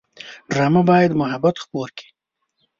ډرامه باید محبت خپور کړي